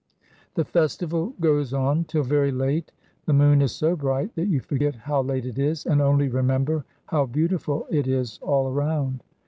The festival goes on till very late. The moon is so bright that you forget how late it is, and only remember how beautiful it is all around.